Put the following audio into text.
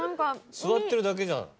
座ってるだけじゃん。